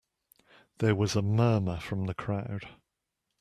There was a murmur from the crowd.